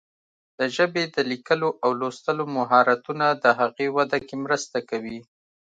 د ژبې د لیکلو او لوستلو مهارتونه د هغې وده کې مرسته کوي.